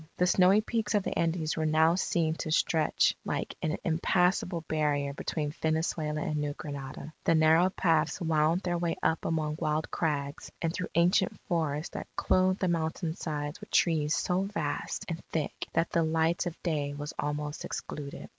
The snowy peaks of the Andes were now seen to stretch like an impassable barrier between Venezuela and New Granada. The narrow paths wound their way up among wild crags, and through ancient forests that clothed the mountain sides with trees so vast and thick that the light of day was almost excluded.